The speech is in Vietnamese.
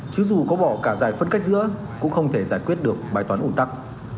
chứ dù có bỏ cả giải phân cách giữa cũng không thể giải quyết được bài toán ủng tắc